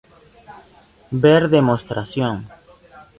Ver demostración.